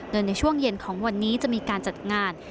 โดยในช่วงเย็นของวันนี้จะมีการจัดงาน